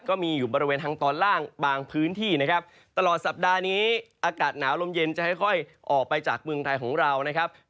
ก็มีอยู่บริเวณทางตอนล่างบางพื้นที่นะครับตลอดสัปดาห์นี้อากาศหนาวลมเย็นจะค่อยออกไปจากเมืองไทยของเรานะครับ